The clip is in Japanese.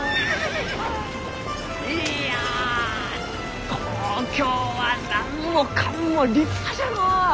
いや東京は何もかんも立派じゃのう！